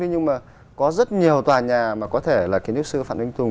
nhưng mà có rất nhiều tòa nhà mà có thể là kiến trúc sư phạm anh tùng